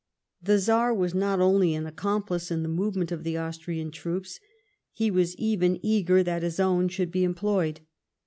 The Czar was not only an accomplice in the movement of the Austrian troops : he was even eager that his own should be employed.